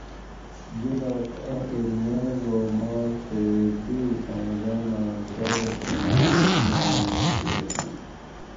جولاگ آخر مرگ اوماۤر تے دوئ خانداناں تعلقیں خرابیاں موکہ بچںش